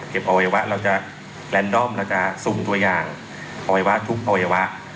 อวัยวะเราจะแลนดอมเราจะซุ่มตัวอย่างอวัยวะทุกอวัยวะ